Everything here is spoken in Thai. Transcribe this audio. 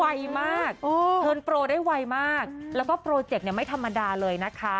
ไวมากเทินโปรได้ไวมากแล้วก็โปรเจคเนี่ยไม่ธรรมดาเลยนะคะ